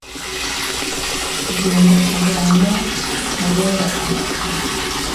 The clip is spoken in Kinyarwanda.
Tugomba kuvana Mubera aho.